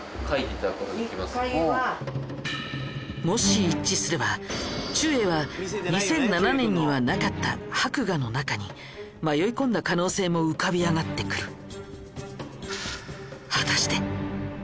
もし一致すればちゅうえいは２００７年にはなかった博雅の中に迷い込んだ可能性も浮かび上がってくる。